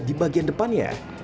di bagian depannya